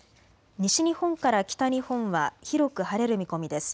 西日本から北日本は広く晴れる見込みです。